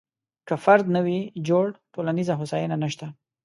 که فرد نه وي جوړ، ټولنیزه هوساینه نشته.